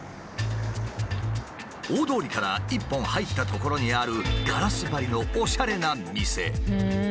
大通りから一本入った所にあるガラス張りのおしゃれな店。